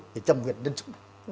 thì châm viện đơn trụ